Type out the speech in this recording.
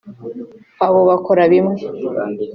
abo bakora bimwe